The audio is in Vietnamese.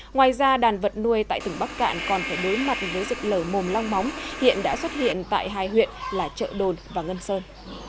ngoài ra đàn vật nuôi tại tỉnh bắc cạn còn phải đối mặt với dịch lở mồm long móng hiện đã xuất hiện tại hai huyện là chợ đồn và ngân sơn